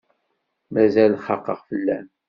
Mazal xaqeɣ fell-am.